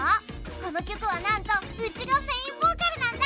この曲はなんとウチがメインボーカルなんだ！